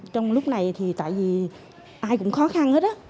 trong lúc này thì tại vì ai cũng khó khăn hết đó